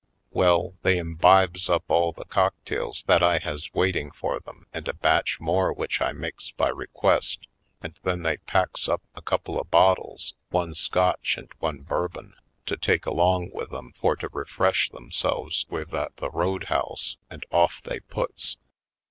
Well, they imbibes up all the cocktails that I has waiting for them and a batch more which I makes by request and then they packs up a couple of bottles — one Scotch and one Bourbon — to take along with 'em for to refresh themselves with at the roadhouse and off they puts.